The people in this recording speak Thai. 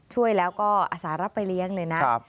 ช่วยแล้วก็อาสารับไปเลี้ยงเลยนะ